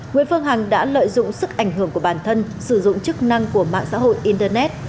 nguyễn phương hằng đã lợi dụng sức ảnh hưởng của bản thân sử dụng chức năng của mạng xã hội internet